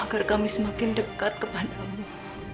agar kami semakin dekat kepada mu